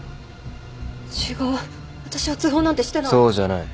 違うあたしは通報なんてしてない。